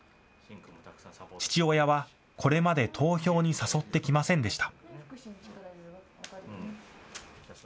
父親はこれまで投票に誘ってきませんでした。